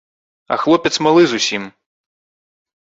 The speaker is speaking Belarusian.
А хлопец малы зусім.